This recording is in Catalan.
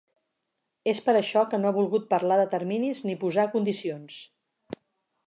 És per això que no ha volgut parlar de terminis ni posar condicions.